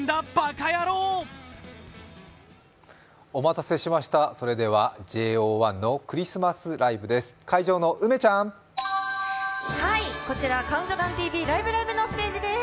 お待たせしました、ＪＯ１のクリスマスライブです。